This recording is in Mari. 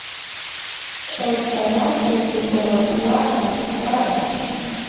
Шылталат, критиковатлат, вурсат!